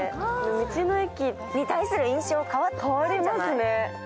道の駅に対する印象、かわりますね